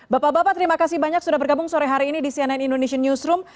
bapak bapak terima kasih banyak sudah bergabung sore hari ini di cnn indonesian newsroom